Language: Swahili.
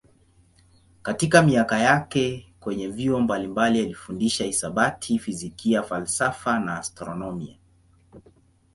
Katika miaka yake kwenye vyuo mbalimbali alifundisha hisabati, fizikia, falsafa na astronomia.